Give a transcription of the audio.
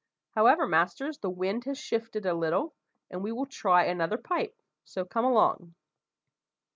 However, masters, the wind has shifted a little, and we will try another pipe; so come along."